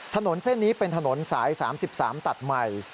ถนนเส้นนี้เป็นถนนสาย๓๓ตัดใหม่